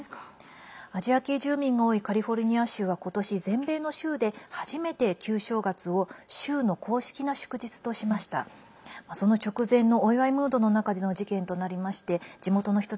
アジア系住民が多いカリフォルニア州は今年、全米の州で初めて旧正月を州の公式な祝日としました。